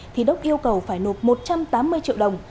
thì đốc yêu cầu phải nộp một trăm tám mươi triệu đồng